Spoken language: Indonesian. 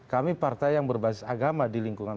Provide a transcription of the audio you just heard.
kami partai yang berbasis agama di lingkungan